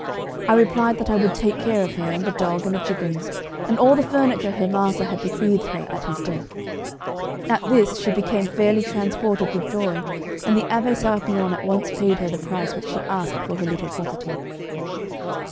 I replied that I would take care of her, and the dog, and the chickens, and all the furniture her master had bequeathed her at his death. At this she became fairly transported with joy, and the Abbé Sérapion at once paid her the price which she asked for her little property.